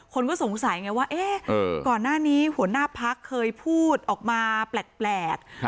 คนก็สงสัยไงว่าเอ๊ะก่อนหน้านี้หัวหน้าพักเคยพูดออกมาแปลก